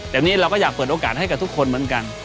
แต่วันนี้เราก็อยากเปิดโอกาสให้กับทุกคนเหมือนกัน